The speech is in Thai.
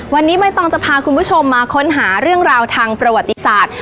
วันนี้ใบตองจะพาคุณผู้ชมมาค้นหาเรื่องราวทางประวัติศาสตร์